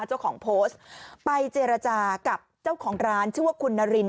เจ้าของโพสต์ไปเจรจากับเจ้าของร้านชื่อว่าคุณนาริน